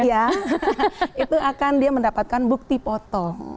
iya itu akan dia mendapatkan bukti potong